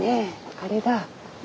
あれだ。